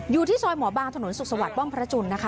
อยู่ที่ซอยหมอบางถนนสุขสวัสดิป้อมพระจุลนะคะ